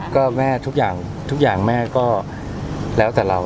ก็แม่ทุกอย่างแม่ก็แล้วแต่เรา